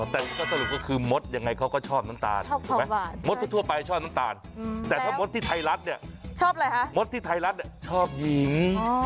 อ๋อแต่ก็สรุปก็คือมดยังไงเขาก็ชอบน้ำตาลมดทั่วไปชอบน้ำตาลแต่ถ้ามดที่ไทยรัฐเนี่ยชอบหญิง